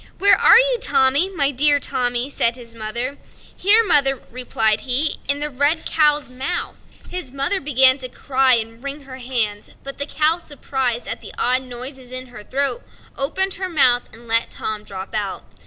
"Where are you, Tommy, my dear Tommy?" said his mother. "Here, mother," replied he, "in the red cow's mouth." His mother began to cry and wring her hands; but the cow, surprised at the odd noise in her throat, opened her mouth and let Tom drop out.